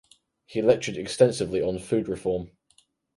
He lectured extensively on food reform.